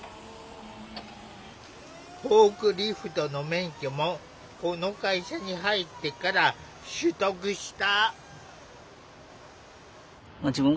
フォークリフトの免許もこの会社に入ってから取得した。